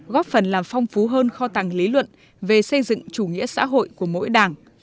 góp phần làm phong phú hơn kho tàng lý luận về xây dựng chủ nghĩa xã hội của mỗi đảng